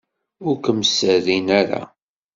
Ur kem-serrin ara.